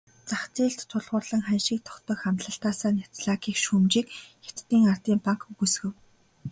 Зах зээлд тулгуурлан ханшийг тогтоох амлалтаасаа няцлаа гэх шүүмжийг Хятадын ардын банк үгүйсгэв.